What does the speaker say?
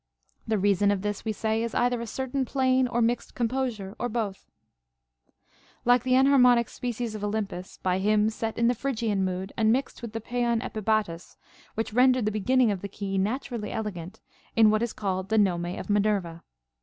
The reason of this, we say, is either a certain plain and mixed composure, or both ; like the enharmonic species of Olym pus, by him set in the Phrygian mood and mixed with the paeon epibatos, which rendered the beginning of the key naturally elegant in what is called the nome of Minerva.